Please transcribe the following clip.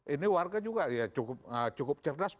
ini warga juga ya cukup cerdas pasti ya